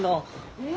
うん。